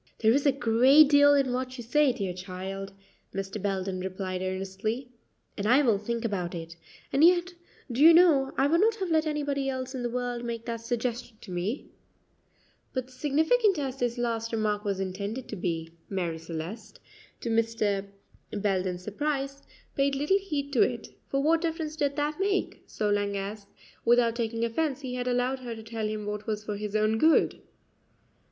"There is a great deal in what you say, dear child," Mr. Belden replied earnestly, "and I will think about it; and yet, do you know, I would not have let anybody else in the world make that suggestion to me;" but significant as this last remark was intended to be, Marie Celeste, to Mr. Belden's surprise, paid little heed to it; for what difference did that make, so long as, without taking offence, he had allowed her to tell him what was for his own good?